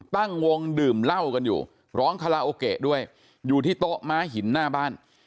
ตั้งวงดื่มเหล้ากันอยู่ร้องคาราโอเกะด้วยอยู่ที่โต๊ะม้าหินหน้าบ้าน